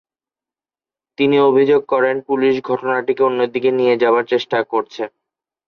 তিনি অভিযোগ করেন পুলিশ ঘটনাটিকে অন্যদিকে নিয়ে যাবার চেষ্টা করছে।